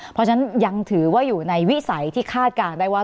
เพราะฉะนั้นยังถือว่าอยู่ในวิสัยที่คาดการณ์ได้ว่า